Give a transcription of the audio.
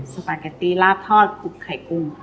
สเปรแกตตี้ลาบทอดถูกไข่กุ้ง